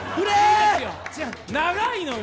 長いのよ。